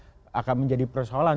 yang kedua akan menjadi persoalan